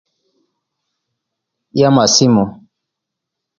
Yamasimu.